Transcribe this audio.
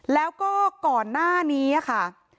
แล้วก็ก่อนหน้านี้ค่ะ